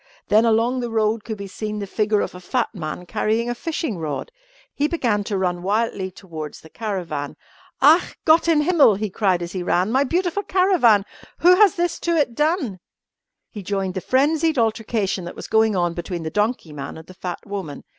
Then along the road could be seen the figure of a fat man carrying a fishing rod. He began to run wildly towards the caravan. "Ach! Gott in Himmel!" he cried as he ran, "my beautiful caravan! Who has this to it done?" He joined the frenzied altercation that was going on between the donkey man and the fat woman.